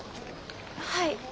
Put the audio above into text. はい。